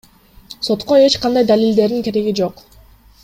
Сотко эч кандай далилдердин кереги жок.